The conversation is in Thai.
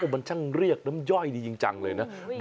มันช่างเรียกน้ำย่อยดีจริงจังเลยนะ